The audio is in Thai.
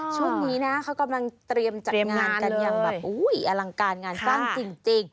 ช่วงนี้นะเขากำลังเตรียมจัดงานกันอย่างแบบอลังการงานสร้างจริง